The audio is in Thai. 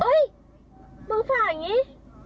มึงฝากอย่างนี้